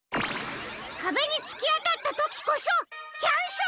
「かべにつきあたったときこそチャンス」！